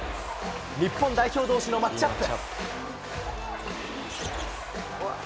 日本代表どうしのマッチアップ。